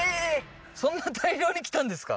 そんな大量に来たんですか？